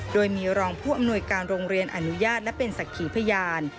โดยมีรองผู้อำนวยการโรงเรียนอนุญาตและเป็นศักดิ์ขีพยาน